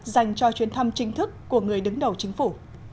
dành cho chuyến thăm chính thức của người đứng đầu chính phủ